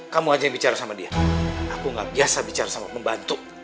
kamu aja yang bicara sama dia aku gak biasa bicara sama pembantu